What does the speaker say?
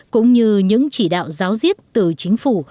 cũng như những chỉ đạo giáo diết từ chính phủ